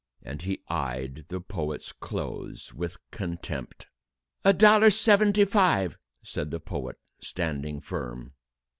And he eyed the poet's clothes with contempt. "A dollar seventy five," said the poet, standing firm.